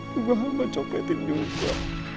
juga hamba copetin juga